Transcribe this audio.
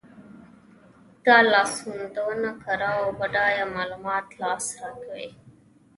دا لاسوندونه کره او بډایه معلومات په لاس راکوي.